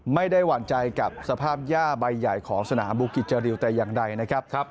หวั่นใจกับสภาพย่าใบใหญ่ของสนามบูกิจเจอริวแต่อย่างใดนะครับ